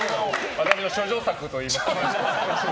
我々の処女作といいますか。